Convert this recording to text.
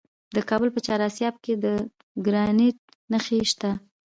د کابل په چهار اسیاب کې د ګرانیټ نښې شته.